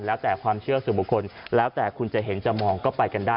แล้วแต่ความเชื่อส่วนบุคคลแล้วแต่คุณจะเห็นจะมองก็ไปกันได้